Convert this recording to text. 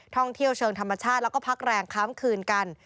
ท่องเที่ยวเชิงธรรมชาติแล้วก็พักแรงค้ามคืนกัน